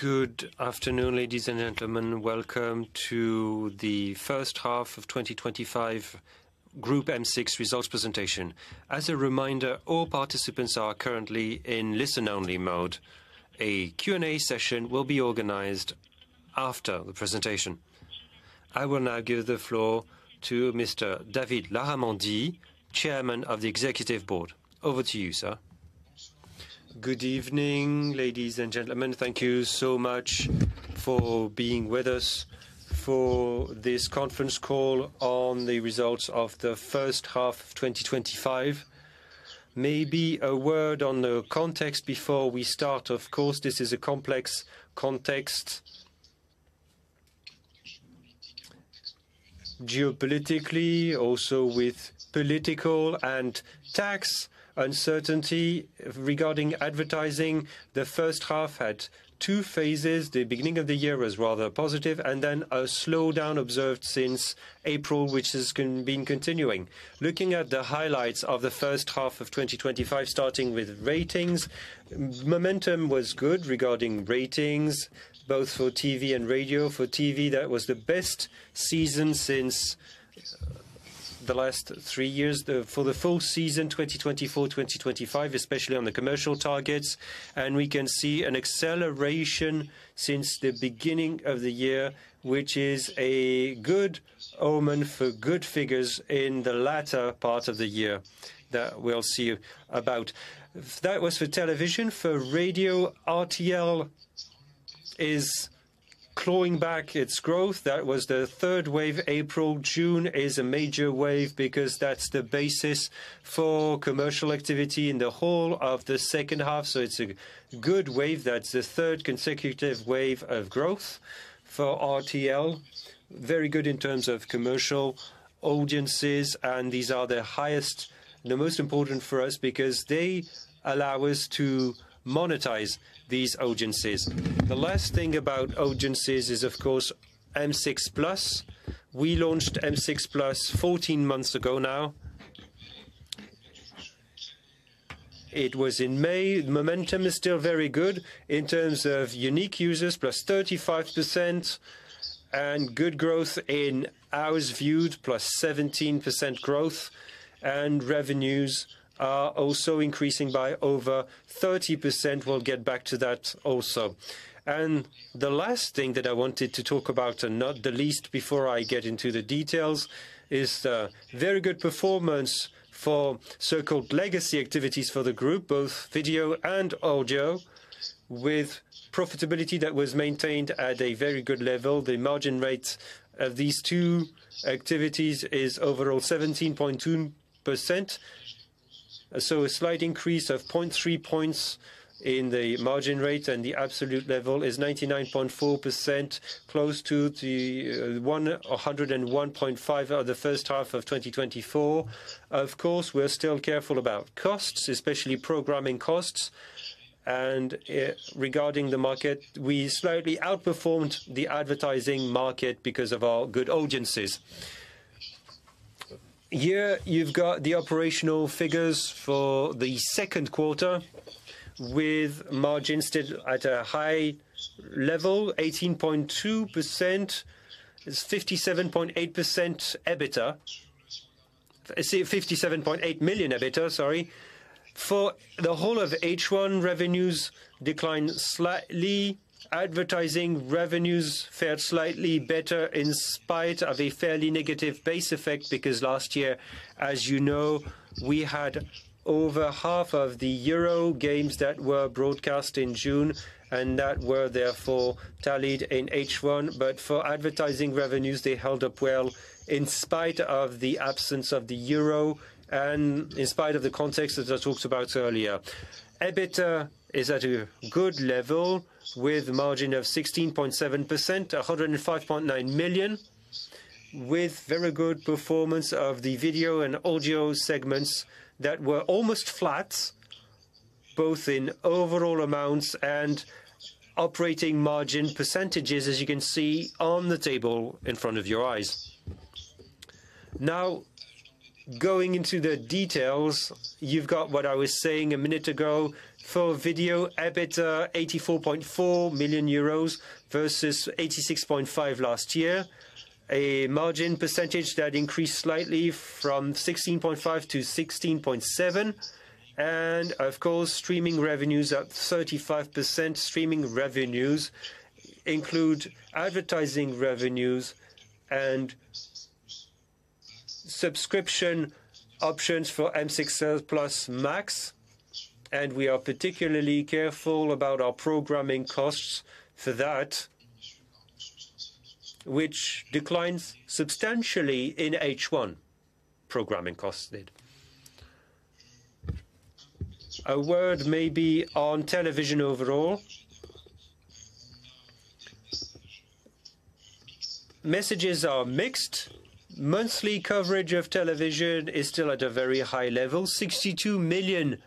Good afternoon ladies and gentlemen. Welcome to the first half of 2025 Groupe M6 Results Presentation. As a reminder, all participants are currently in listen-only mode. A Q and A session will be organized after the presentation. I will now give the floor to Mr. David Larramendy, Chairman of the Executive Board. Over to you, sir. Good evening ladies and gentlemen. Thank you so much for being with us for this conference call on the results of the first half of 2025. Maybe a word on the context before we start. Of course, this is a complex context geopolitically also with political and tax uncertainty regarding advertising. The first half had two phases. The beginning of the year was rather positive and then a slowdown observed since April which has been continuing. Looking at the highlights of the first half of 2025 starting with ratings. Momentum was good regarding ratings both for TV and radio. For TV that was the best season since the last three years. For the full season 2024-2025, especially on the commercial targets. We can see an acceleration since the beginning of the year which is a good omen for good figures in the latter part of the year that we'll see about. That was for television, for radio. RTL is clawing back its growth. That was the third wave. April-June is a major wave because that's the basis for commercial activity in the whole of the second half. It's a good wave. That's the third consecutive wave of growth for RTL. Very good in terms of commercial audiences. These are the highest, the most important for us because they allow us to monetize these audiences. The last thing about agencies is of course M6+. We launched M6+ 14 months ago. Now it was in May. Momentum is still very good in terms of unique users, +35%, and good growth in hours viewed, +17% growth. Revenues are also increasing by over 30%. We'll get back to that also. The last thing that I wanted to talk about, and not the least before I get into the details, is very good performance for so-called Legacy Activities for the group, both video and audio, with profitability that was maintained at a very good level. The margin rate of these two activities is overall 17.2%. A slight increase of 0.3 points in the margin rate and the absolute level is 99.4%, close to the 101.5% of the first half of 2024. Of course we're still careful about costs, especially programming costs. Regarding the market, we slightly outperformed the advertising market because of our good audiences. Here you've got the operational figures for the second quarter, with margin still at a high level: 18.2%, EUR 57.8 million EBITDA. Sorry, for the whole of H1, revenues declined slightly. Advertising revenues fared slightly better in spite of a fairly negative base effect, because last year, as you know, we had over half of the Euro games that were broadcast in June and that were therefore tallied in H1. For advertising revenues, they held up well in spite of the absence of the Euro and in spite of the context. As I talked about earlier, EBITDA is at a good level with margin of 16.7%, 105.9 million, with very good performance of the video and audio segments that were almost flat both in overall amounts and operating-margin percentages, as you can see on the table in front of your eyes. Now, going into the details, you've got what I was saying a minute ago for video EBITDA: 84.4 million euros versus 86.5 million last year, a margin percentage that increased slightly from 16.5% to 16.7%. Of course, streaming revenues at 35%. Streaming revenues include advertising revenues and subscription options for M6+ Max. We are particularly careful about our programming costs for that, which declined substantially in H1. Programming costs did. A word maybe on television overall: messages are mixed. Monthly coverage of television is still at a very high level, 62 million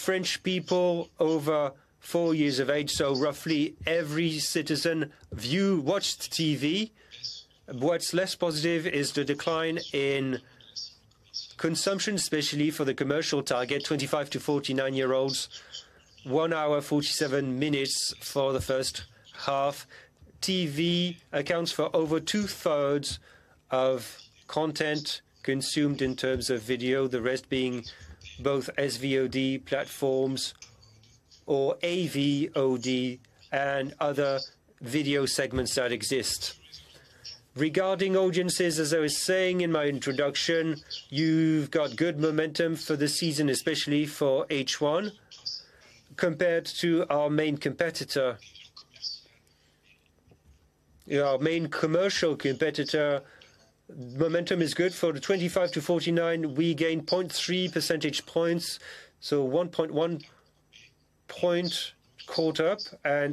French people over four years of age. So roughly every citizen watched TV. What's less positive is the decline in consumption, especially for the commercial target 25 to 49 year olds: One hour and 47 minutes for the first half. TV accounts for over two-thirds of content consumed in terms of video, the rest being both SVOD platforms or AVOD and other video segments that exist. Regarding audiences, as I was saying in my introduction, you've got good momentum for the season, especially for H1 compared to our main competitor. Our main commercial competitor momentum is good for the 25 to 49, we gained 0.3 percentage points, so 1.1 point caught up.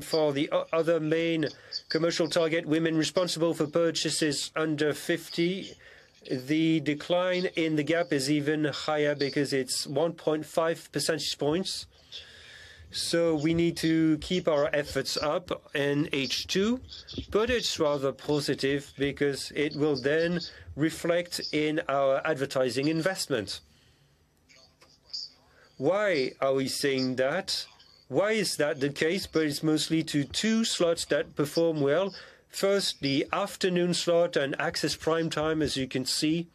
For the other main commercial target, women responsible for purchases under 50, the decline in the gap is even higher because it's 1.5 percentage points. We need to keep our efforts up in H2, but it's rather positive because it will then reflect in our advertising investment. Why are we saying that? Why is that the case? It's mostly two slots that perform well: first, the afternoon slot and access prime-time. As you can see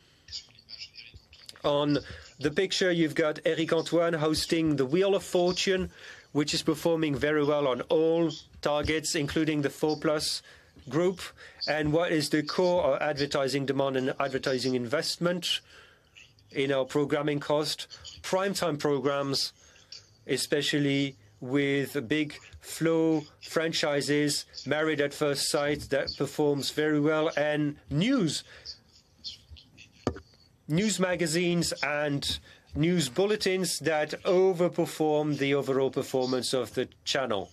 on the picture, you've got Eric Antoine hosting the Wheel of Fortune, which is performing very well on all targets, including the four-plus group. What is the core advertising demand and advertising investment in our programming cost? Prime-time programs, especially with big flow franchises like Married at First Sight, perform very well. News magazines and news bulletins overperform the overall performance of the channel.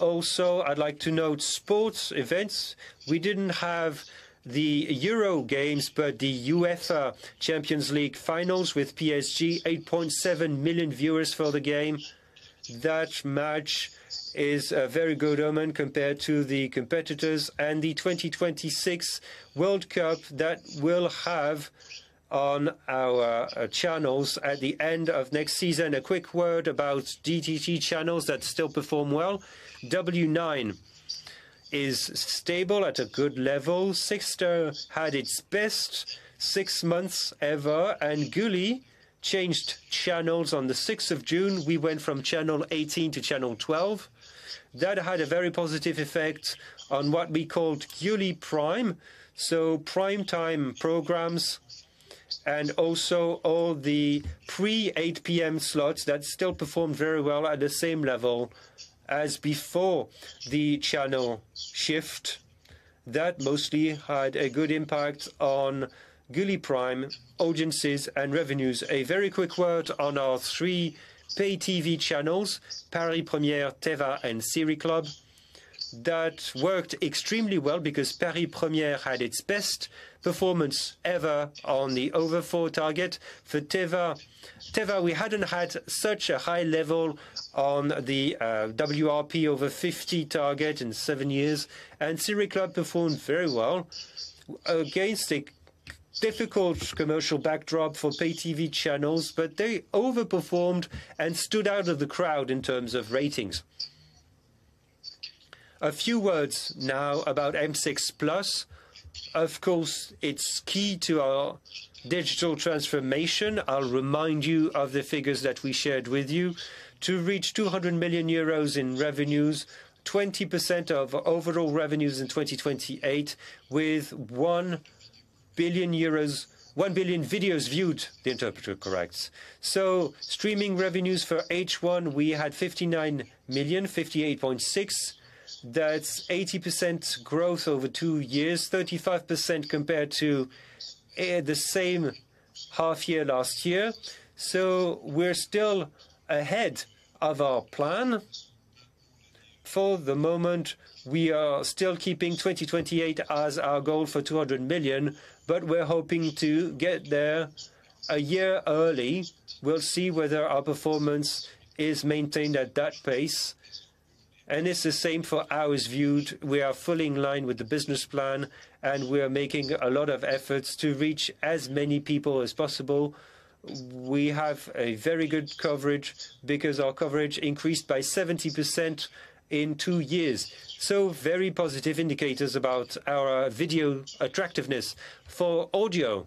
Also, I'd like to note sports events. We didn't have the Euro games, but the UEFA Champions League Finals with PSG had 8.7 million viewers for the game. That match is a very good omen compared to the competitors and the 2026 World Cup that we will have on our channels at the end of next season. A quick word about DTT channels that still perform well. W9 is stable at a good level. 6ter had its best six months ever, and Gulli changed channels on June 6. We went from channel 18 to channel 12. That had a very positive effect on what we called Gulli Prime. So, prime-time programs and also all the pre-8:00 P.M. slots still performed very well at the same level as before the channel shift. That mostly had a good impact on Gulli Prime audiences and revenues. A very quick word on our three pay TV channels, Paris Première, Téva, and Série Club. They worked extremely well because Paris Première had its best performance ever on the over four target. For Téva, we hadn't had such a high level on the WRP over 50 target in seven years. Série Club performed very well against a difficult commercial backdrop for pay TV channels. They overperformed and stood out of the crowd in terms of ratings. A few words now about M6+. Of course, it's key to our digital transformation. I'll remind you of the figures that we shared with you: to reach 200 million euros in revenues, 20% of overall revenues in 2028, with 1 billion videos viewed. The interpreter corrects. Streaming revenues for H1, we had 59,000,058.6. That's 80% growth over two years, 35% compared to the same half-year last year. We're still ahead of our plan for the moment. We are still keeping 2028 as our goal for 200 million, but we're hoping to get there a year early. We'll see whether our performance is maintained at that pace. It's the same for ours. Viewed, we are fully in line with the business plan and we are making a lot of efforts to reach as many people as we have a very good coverage because our coverage increased by 70% in two years. Very positive indicators about our video attractiveness for audio.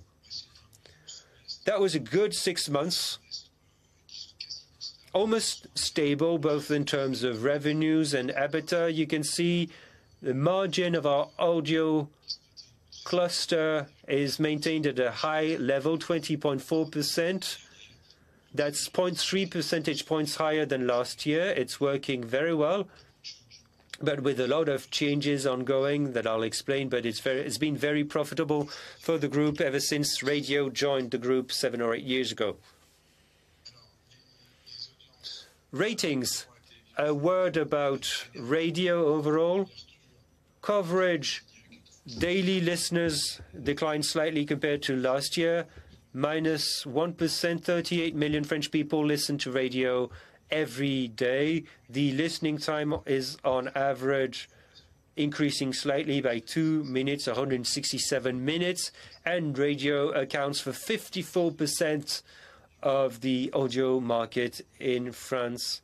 That was a good six months, almost stable both in terms of revenues and EBITDA. You can see the margin of our audio cluster is maintained at a high level, 20.4%. That's 0.3 percentage points higher than last year. It's working very well, with a lot of changes ongoing that I'll explain. It's been very profitable for the group ever since radio joined the group seven or eight years ago. A word about radio. Overall coverage, daily listeners declined slightly compared to last year, -1%, 38 million French people listen to radio every day. The listening time is on average increasing slightly by two minutes, 167 minutes. Radio accounts for 54% of the audio market in France.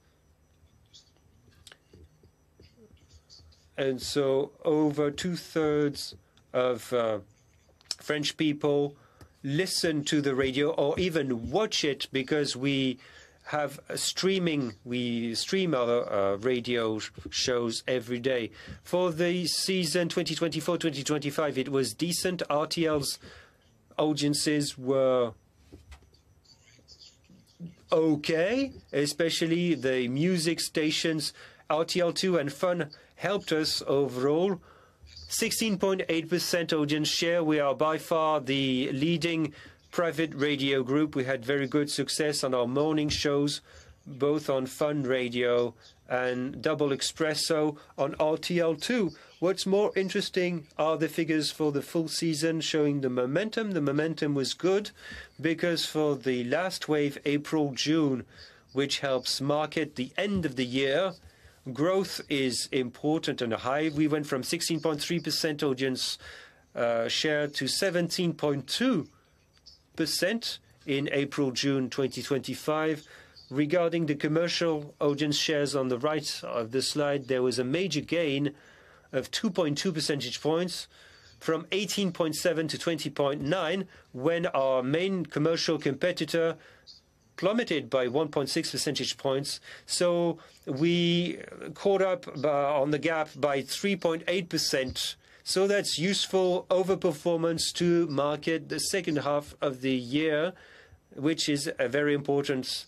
Over two-thirds of French people listen to the radio or even watch it because we have streaming. We stream our radio shows every day. For the season 2024-2025, it was decent. RTL's audiences were okay, especially the music stations. RTL2 and Fun helped us overall, 16.8% audience share. We are by far the leading private radio group. We had very good success on our morning shows both on Fun Radio and Double Espresso on RTL2. What's more interesting are the figures for the full season showing the momentum. The momentum was good because for the last wave, April-June, which helps market the end of the year, growth is important and high. We went from 16.3% audience share to 17.2% in April-June 2025. Regarding the commercial audience shares on the right of the slide, there was a major gain of 2.2 percentage points from 18.7% to 20.9% when our main commercial competitor plummeted by 1.6 percentage points. We caught up on the gap by 3.8%. That's useful overperformance to market the second half of the year, which is a very important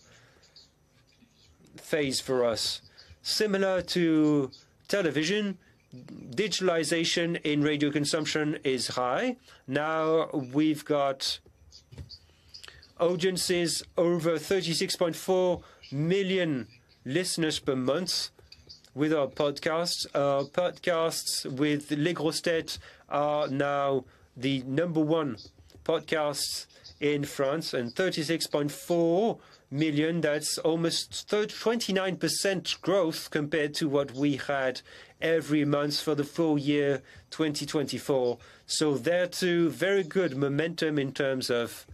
phase for us. Similar to television, digitalization in radio consumption is high. Now we've got audiences over 36.4 million listeners per month with our podcast. Podcasts with Legrosset are now the number one podcast in France and 36.4 million. That's almost 29% growth compared to what we had every month for the full year 2024. There too, very good momentum in terms of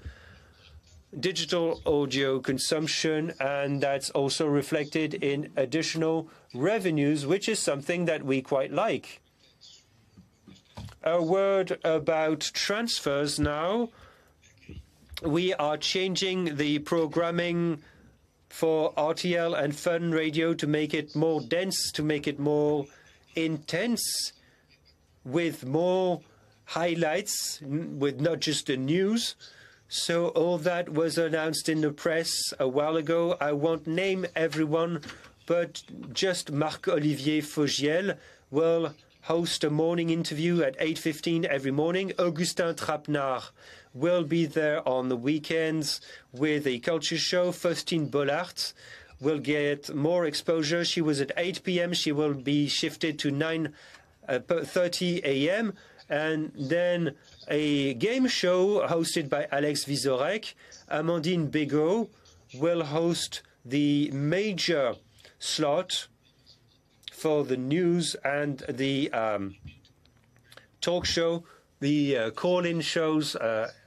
digital audio consumption. That's also reflected in additional revenues, which is something that we quite like. A word about transfers. Now we are changing the programming for RTL and Fun Radio to make it more dense, to make it more intense with more highlights, with not just the news. All that was announced in the press a while ago. I won't name everyone, but just Marc-Olivier Fogiel will host a morning interview at 8:15 A.M. every morning. Augustin Trapenard will be there on the weekends with a culture show. Faustine Bollaert will get more exposure. She was at 8:00 P.M., she will be shifted to 9:00 P.M., and then a game show hosted by Alex Vizorek. Amandine Bégot will host the major slot for the news and the talk show, the call-in shows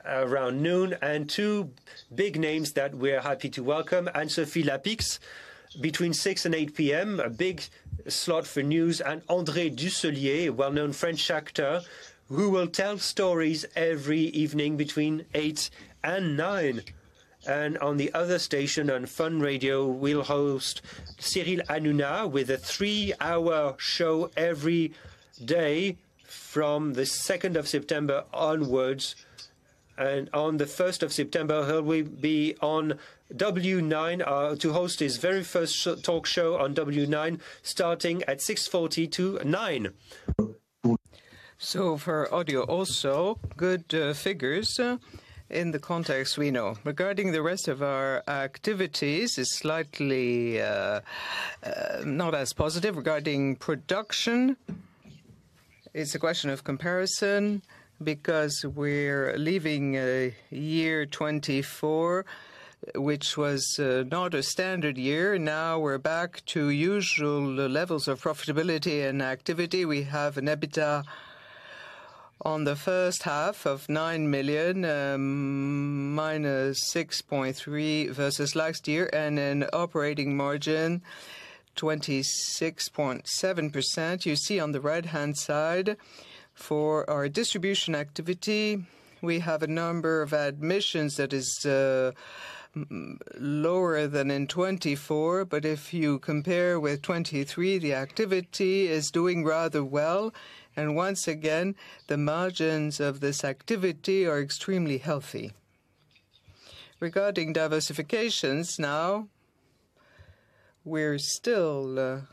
around noon. Two big names that we are happy to welcome: Anne-Élisabeth Lemoine between 6:00 and 8:00 P.M., a big slot for news, and André Dussollier, well-known French actor, who will tell stories every evening between 8:00 and 9:00 P.M. On the other station, on Fun Radio, will host Cyril Hanouna with a three-hour show every day from the 2nd of September onwards. On the 1st of September, he'll be on W9 to host his very first talk show on W9 starting at 6:40 P.M. too. For audio, also good figures. In the context we know regarding the rest of our activities, it is slightly not as positive. Regarding production, it's a question of comparison because we're leaving year 2024, which was not a standard year. Now we're back to usual levels of profitability and activity. We have an EBITDA on the first half of 9 million, -6.3 million versus last year, and an operating margin of 26.7%. You see on the right-hand side for our distribution activity, we have a number of admissions that is lower than 2024, but if you compare with 2023, the activity is doing rather well. Once again, the margins of this activity are extremely healthy. Regarding diversifications, now we're still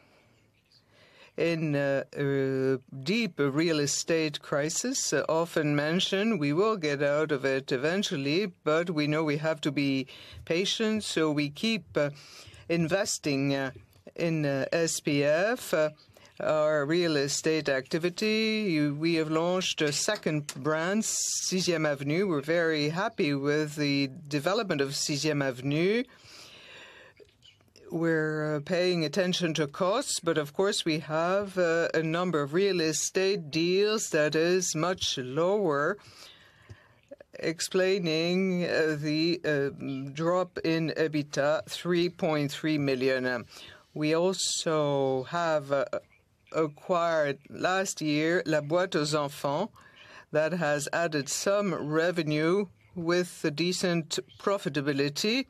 in deep real estate crisis often mentioned. We will get out of it eventually, but we know we have to be patient. We keep investing in SPF, our real-estate activity. We have launched a second brand, Sisiam Avenue. We're happy with the development of Sisiam Avenue. We're paying attention to costs, but of course we have a number of real-estate deals that is much lower, explaining the drop in EBITDA, 3.3 million. We also have acquired last year La Boîte Enfants that has added some revenue with decent profitability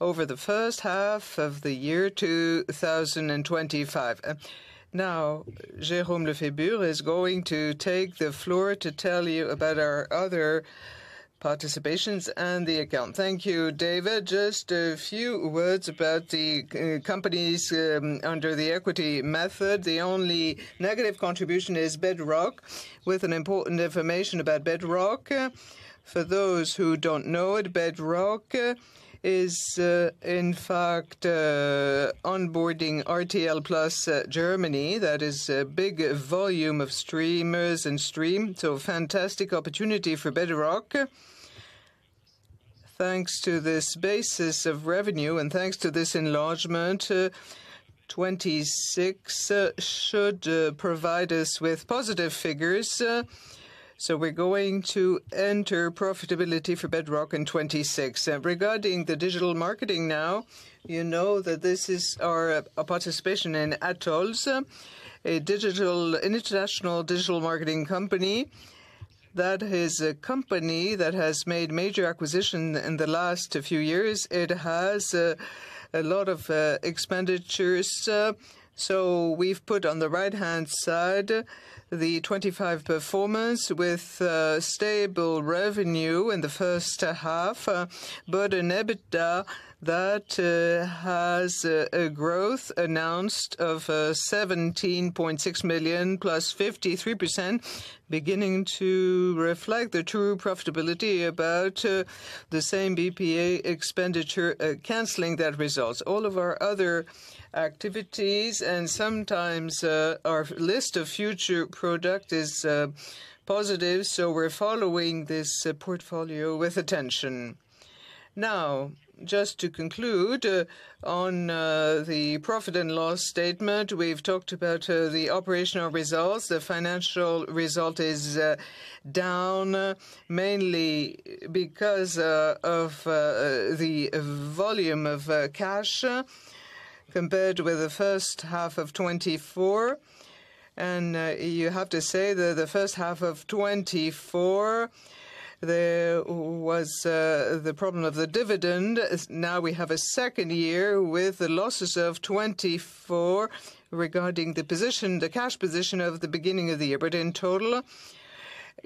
over the first half of the year 2025. Now Jérôme Lefebvre is going to take the floor to tell you about our other participations and the account. Thank you, David. Just a few words about the companies under the equity method. The only negative contribution is Bedrock with an important information about Bedrock. For those who don't know it, Bedrock is in fact onboarding RTL Germany that is a big volume of streamers and stream. Fantastic opportunity for Bedrock. Thanks to this basis of revenue and thanks to this enlargement, 2026 should provide us with positive figures. We're going to enter profitability for Bedrock in 2026. Regarding the digital marketing, now you know that this is our participation in Atresmedia, a digital international digital marketing company that is a company that has made major acquisitions in the last few years. It has a lot of expenditures. We've put on the right-hand side the 2025 performance with stable revenue the first half, but an EBITDA that has a growth announced of 17.6 million, plus 53%, beginning to reflect the true profitability about the same BPA expenditure. Canceling that result, all of our other activities and sometimes our list of future product is positive. We're following this portfolio with attention. Now just to conclude on the profit and loss statement, we've talked about the operational results. The financial result is down mainly because of the volume of cash compared with the first half of 2024. You have to say that the first half of 2024 there was the problem of the dividend. Now we have a second year with the losses of 2024. Regarding the position, the cash position of the beginning of the year. In total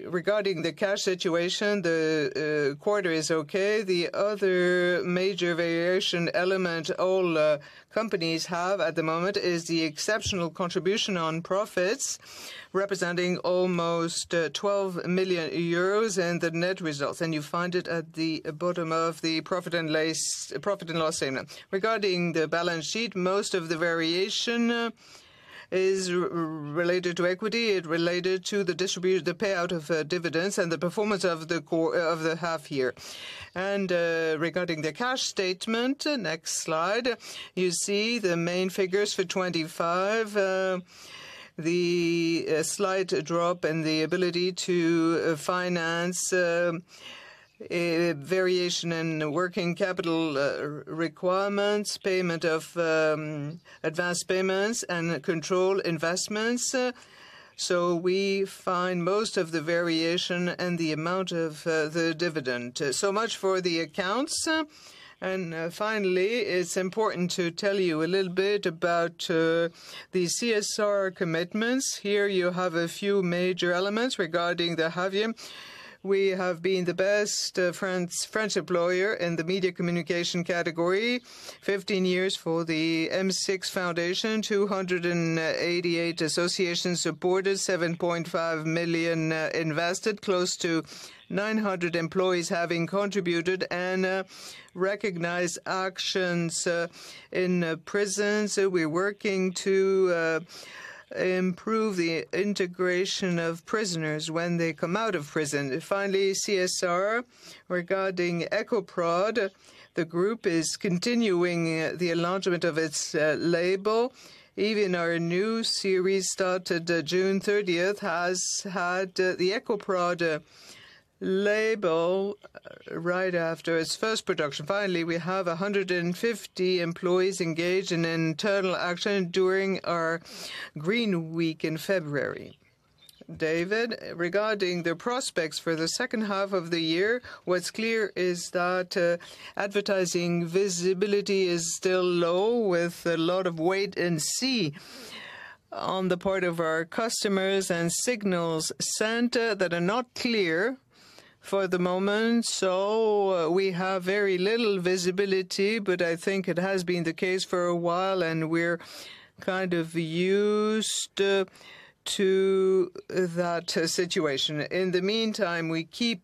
regarding the cash situation, the quarter is okay. The other major variation element all companies have at the moment is the exceptional contribution on profits representing almost 12 million euros and the net results. You find it at the bottom of the profit and loss. Regarding the balance sheet, most of the variation is related to equity. It related to the distribute, the payout of dividends and the performance of the half-year. Regarding the cash statement, next slide you see the main figures. The slight drop in the ability to finance a variation in working capital requirements, payment of advanced payments and control investments. We find most of the variation and the amount of the dividend. Much for the accounts. Finally it's important to tell you a little bit about the CSR commitments. Here you have a few major elements regarding the Jave. We have been the best French employer in the media communication category 15 years for the M6 Foundation. 288 associations supported, 7.5 million invested, close to 900 employees having contributed and recognized actions in prisons. We're working to improve the integration of prisoners when they come out of prison. Finally, CSR, regarding EcoProd, the group is continuing the enlargement of its label. Even our new series, started June 30, has had the EcoProd label right after its first production. We have 150 employees engaged in internal action during our Green Week in February. David, regarding the prospects for the second half of the year, what's clear is that advertising visibility is still low with a lot of wait-and-see on the part of our customers and signals sent that are not clear for the moment. We have very little visibility. I think it has been the case for a while and we're kind of used to that situation. In the meantime, we keep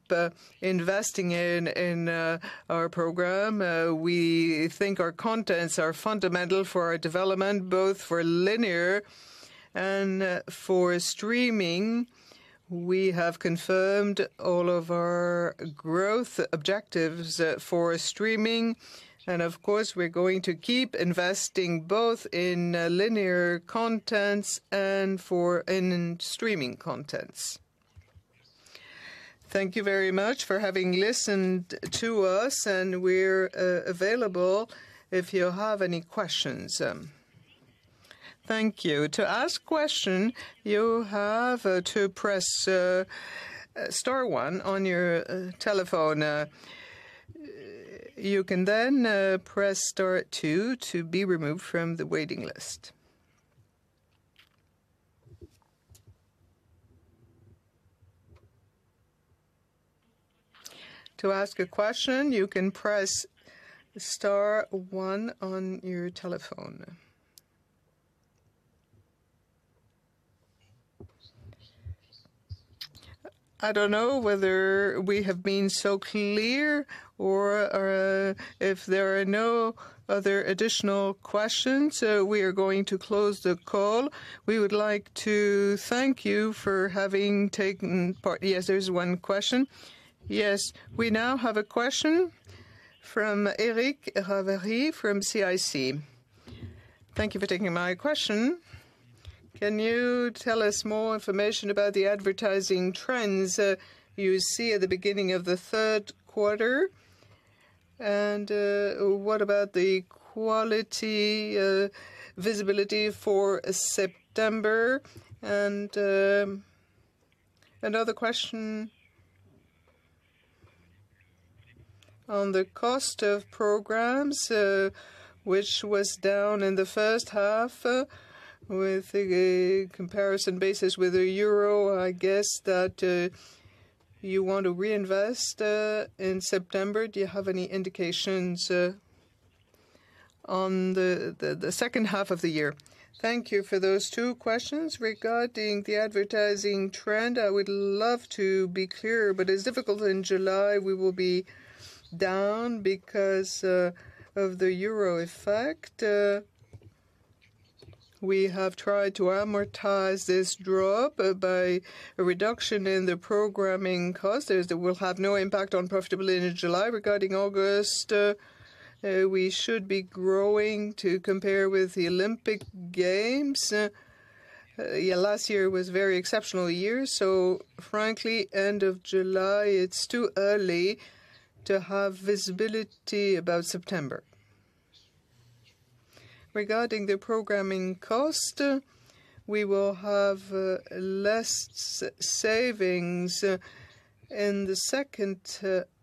investing in our program. We think our contents are fundamental for our development, both for linear and for streaming. We have confirmed all of our growth objectives for streaming and of course we're going to keep investing both in linear contents and in streaming contents. Thank you very much for having listened to us and we're available if you have any questions. Thank you. To ask a question you have to press star one on your telephone. You can then press star two to be removed from the waiting list. To ask a question, you can press star one on your telephone. I don't know whether we have been so clear or if there are no other additional questions, we are going to close the call. We would like to thank you for having taken part. Yes, there's one question. Yes, we now have a question from Eric Ravary from CIC. Thank you for taking my question. Can you tell us more information about the advertising trends you see at the beginning of the third quarter? What about the quality visibility for September? Another question on the cost of programs, which was down in the first half with a comparison basis with the Euro, I guess that you want to reinvest in September. Do you have any indications on the second half of the year? Thank you for those two questions. Regarding the advertising trend, I would love to be clear, but it's difficult. In July we will be down because of the Euro effect. We have tried to amortize this drop by a reduction in the programming cost that will happen. No impact on profitability in July. Regarding August, we should be growing to compare with the Olympic Games. Last year was a very exceptional year. Frankly, end of July, it's too early to have visibility about September. Regarding the programming cost, we will have less savings in the second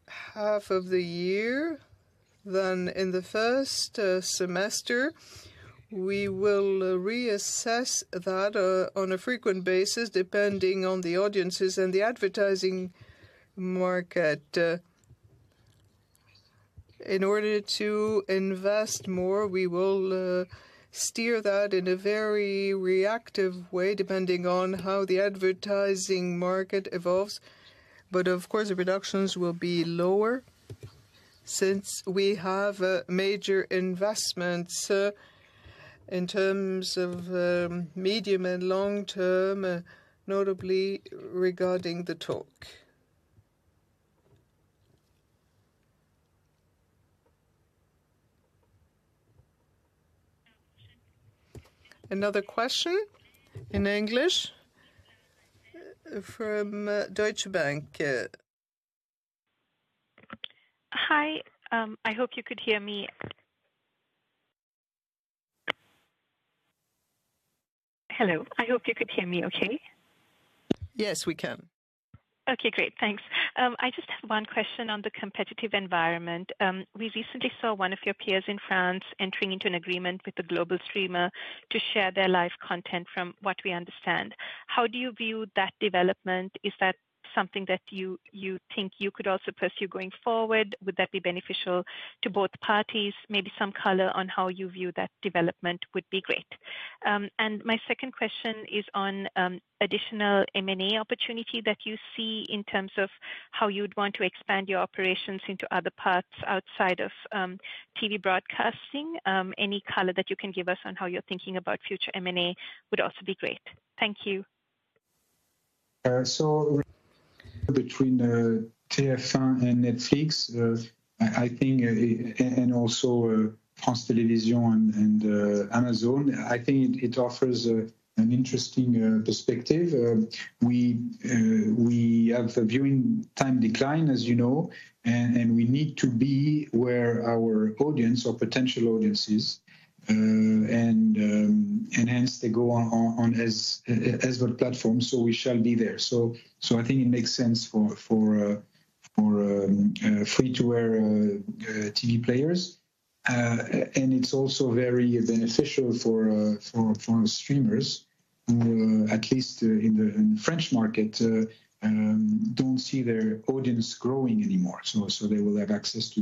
half of the year than in the first semester. We will reassess that on a frequent basis depending on the audiences and the advertising market in order to invest more. We will steer that in a very reactive way, depending on how the advertising market evolves, but of course the reductions will be lower since we have major investments in terms of medium and long term, notably. Regarding the talk, another question in English from Deutsche Bank. Hello. I hope you could hear me. Okay. Yes, we can. Okay, great. Thanks. I just have one question on the competitive environment. We recently saw one of your peers in France entering into an agreement with the global streamer to share their live content. From what we understand, how do you view that development? Is that something that you think you could also pursue going forward? Would that be beneficial to both parties? Maybe some color on how you view that development would be great. My second question is on additional M&A opportunity that you see in terms of how you'd want to expand your operations into other parts outside of TV broadcasting. Any color that you can give us on how you're thinking about future M&A would also be great. Thank you. Between TF1 and Netflix, I think, and also France Télévisions and Amazon, I think it offers an interesting perspective. We have the viewing time design, as you know, and we need to be where our audience or potential audience is, and hence they go on as the platform. We shall be there. I think it makes sense for free-to-air TV players. It's also very beneficial for streamers, at least in the French market, who don't see their audience growing anymore. They will have access to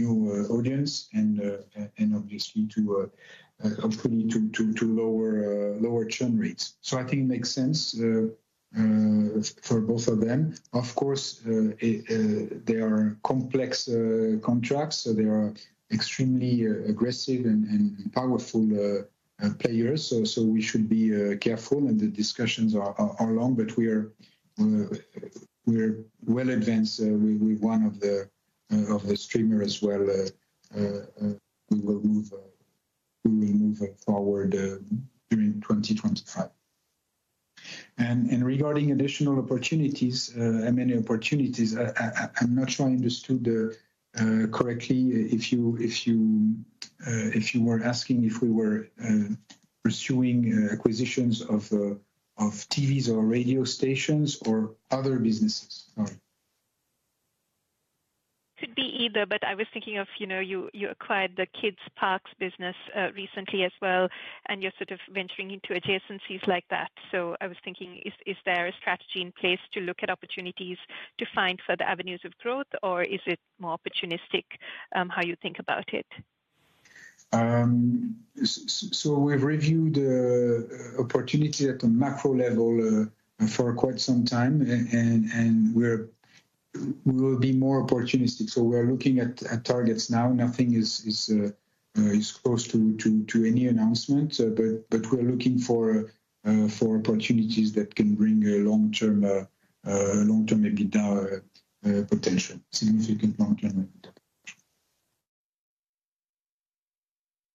new audience and obviously to hopefully lower churn rates. I think it makes sense for both of them. Of course, they are complex contracts, so they are extremely aggressive and powerful players. We should be careful and the discussions are long, but we're well advanced with one of the streamers as well. We will move forward during 2025. Regarding additional opportunities and many opportunities, I'm not sure I understood correctly if you were asking if we were pursuing acquisitions of TVs or radio stations or other businesses. It could be either. I was thinking of, you know, you acquired the Kids Parks business recently as well, and you're sort of venturing into adjacencies like that. I was thinking, is there a strategy in place to look at opportunities to find further avenues of growth, or is it more opportunistic how you think about it? We have reviewed the opportunity at the macro level for quite some time, and we will be more opportunistic. We are looking at targets now. Nothing is close to any announcement, but we are looking for opportunities that can bring long-term EBITDA potential.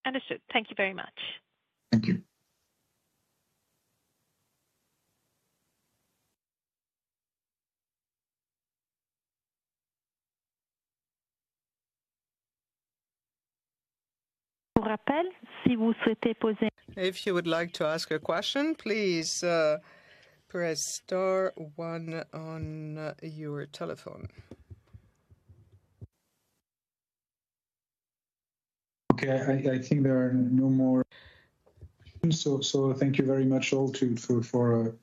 Understood. Thank you very much. If you would like to ask a question, please press star one on your telephone. I think there are no more. Thank you very much all for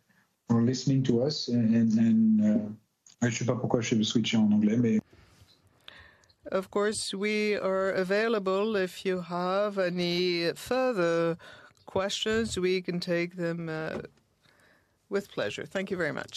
listening to us. Of course, we are available if you have any further questions. We can take them with pleasure. Thank you very much.